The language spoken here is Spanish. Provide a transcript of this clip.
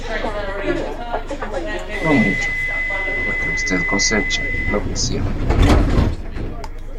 No mucho, porque usted cosecha lo que siembra.